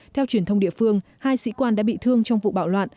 theo truyền thông địa phương hai sĩ quan đã bị thương trong vụ bạo loạn